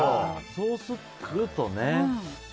そうするとね。